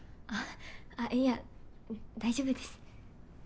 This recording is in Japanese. あいや大丈夫です。